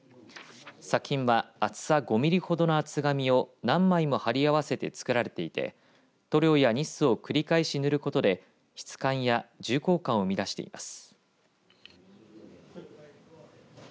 作品は厚さ５ミリほどの厚紙を何枚も貼り合わせて作られていて塗料やニスを繰り返し塗ることで質感や重厚感を生み出しています。